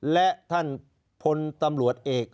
และท่านพลตำรวจเอก